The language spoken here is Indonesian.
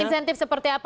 insentif seperti apa